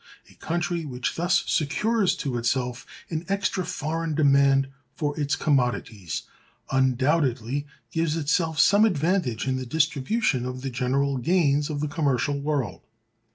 A country which thus secures to itself an extra foreign demand for its commodities, undoubtedly gives itself some advantage in the distribution of the general gains of the commercial world.